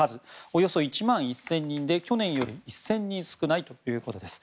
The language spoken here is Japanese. およそ１万１０００人で去年より１０００人少ないということです。